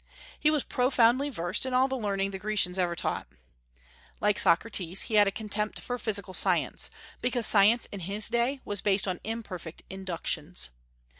He was profoundly versed in all the learning the Grecians ever taught. Like Socrates, he had a contempt for physical science, because science in his day was based on imperfect inductions.